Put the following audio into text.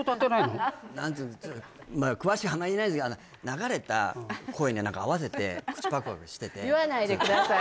何つーかまあ詳しい話あんまり言えないですけど流れた声に合わせて口パクパクしてて言わないでください